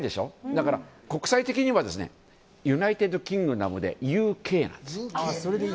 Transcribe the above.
だから、国際的にはユナイテッドキングダムでＵＫなんです。